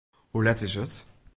Hoe let is it?